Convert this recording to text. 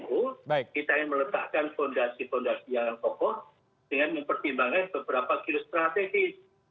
kita ingin meletakkan fondasi fondasi yang kokoh dengan mempertimbangkan beberapa virus strategis